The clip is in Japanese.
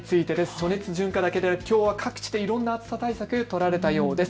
暑熱順化だけではなくきょうは各地でいろんな暑さ対策が取られたようです。